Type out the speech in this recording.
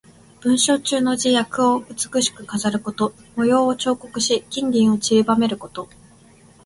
文章中の字や句を美しく飾ること。模様を彫刻し、金銀をちりばめること。